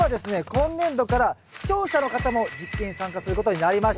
今年度から視聴者の方も実験に参加することになりました。